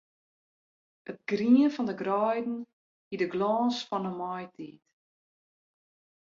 It grien fan 'e greiden hie de glâns fan 'e maitiid.